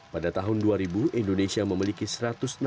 pada tahun dua ribu sepuluh indonesia menempatkan kelima posisi kelima